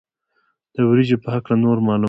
د وریجو په هکله نور معلومات.